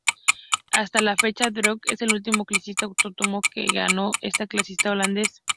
Hasta la fecha, Dekker es el último ciclista autóctono que ganó esta clásica holandesa.